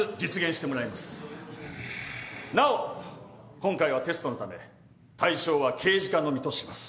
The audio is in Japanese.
なお今回はテストのため対象は刑事課のみとします。